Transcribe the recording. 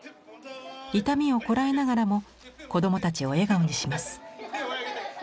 痛みをこらえながらも子どもたちを笑顔にします。